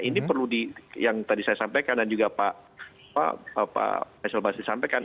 ini perlu di yang tadi saya sampaikan dan juga pak esel basri sampaikan